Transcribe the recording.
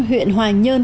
huyện hoài nhơn